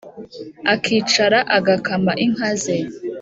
akicara agakama inká zé